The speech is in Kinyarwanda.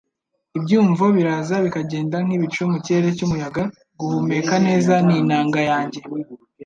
Ibyiyumvo biraza bikagenda nk'ibicu mu kirere cy'umuyaga. Guhumeka neza ni inanga yanjye. ”